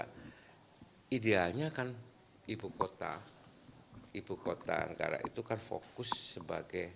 karena idealnya kan ibu kota ibu kota negara itu kan fokus sebagai